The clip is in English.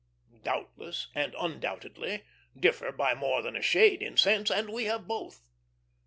"Doubtless" and "undoubtedly" differ by more than a shade in sense, and we have both.